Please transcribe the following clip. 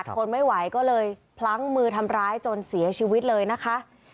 ทนไม่ไหวก็เลยพลั้งมือทำร้ายจนเสียชีวิตเลยนะคะ